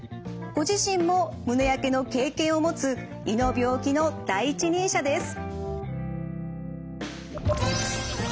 ご自身も胸やけの経験を持つ胃の病気の第一人者です。